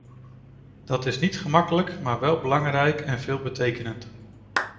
Dat is niet gemakkelijk, maar wel belangrijk en veelbetekenend.